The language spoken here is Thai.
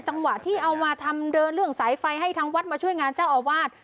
จังหวะที่เอามาทำเดินเรื่องสายไฟให้ทางวัดมาช่วยงานเจ้าอาวาส